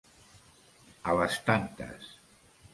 A les tantes.